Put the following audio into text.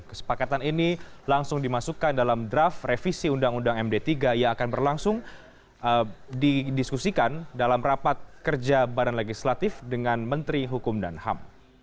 kesepakatan ini langsung dimasukkan dalam draft revisi undang undang md tiga yang akan berlangsung didiskusikan dalam rapat kerja badan legislatif dengan menteri hukum dan ham